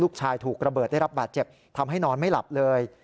ถูกระเบิดได้รับบาดเจ็บทำให้นอนไม่หลับเลย